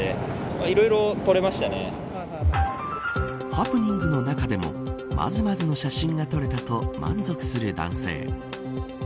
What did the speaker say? ハプニングの中でもまずまずの写真が撮れたと満足する男性。